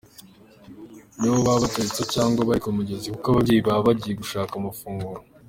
Nibo baba batetse cyangwa bari ku migezi kuko ababyeyi baba bagiye gushaka amafunguro.